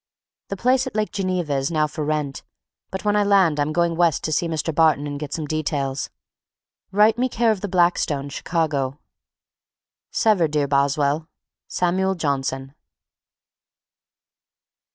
The place at Lake Geneva is now for rent but when I land I'm going West to see Mr. Barton and get some details. Write me care of the Blackstone, Chicago. S'ever, dear Boswell, SAMUEL JOHNSON.